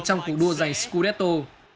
cùng đua giành scudetto